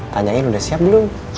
tanyain udah siap belum